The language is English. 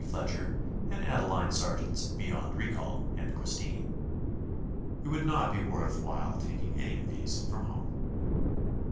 Fletcher), and Adeline Sergeant's "Beyond Recall" and "Christine." It would not be worth while taking any of these from home.